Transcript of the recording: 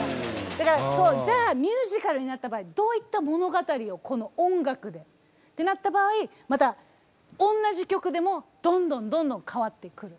だからじゃあミュージカルになった場合どういった物語をこの音楽でってなった場合また同じ曲でもどんどんどんどん変わってくる。